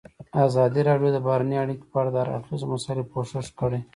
ازادي راډیو د بهرنۍ اړیکې په اړه د هر اړخیزو مسایلو پوښښ کړی.